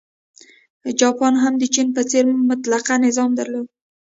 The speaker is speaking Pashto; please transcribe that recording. جاپان هم د چین په څېر مطلقه نظام درلود.